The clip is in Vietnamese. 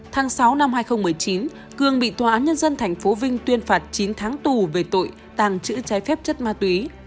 tháng sáu năm hai nghìn một mươi chín cường bị tóa nhân dân thành phố vinh tuyên phạt chín tháng tù về tội tàng trữ trái phép chất ma túy